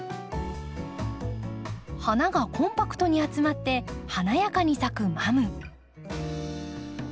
花がコンパクトに集まって華やかに咲くマム。